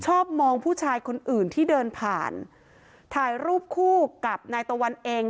ชอบมองผู้ชายคนอื่นที่เดินผ่านถ่ายรูปคู่กับนายตะวันเอง